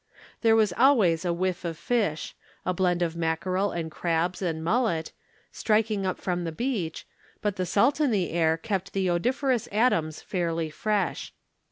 There was always a whiff of fish a blend of mackerel and crabs and mullet striking up from the beach, but the salt in the air kept the odoriferous atoms fairly fresh.